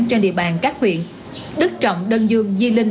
trên địa bàn các huyện đức trọng đơn dương di linh